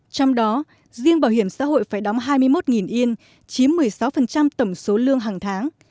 trong đó riêng bảo hiểm xã hội phải đóng hai mươi một yên chiếm một mươi sáu tổng số lương hàng tháng